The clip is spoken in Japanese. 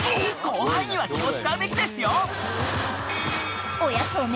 「後輩には気を使うべきですよ！」